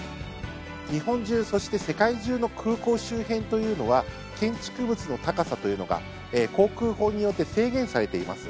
日本中、そして世界中の空港周辺というのは建築物の高さというのが航空法によって制限されています。